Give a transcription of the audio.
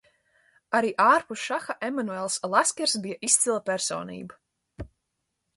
Arī ārpus šaha Emanuels Laskers bija izcila personība.